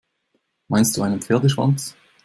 Meinst du einen Pferdeschwanz?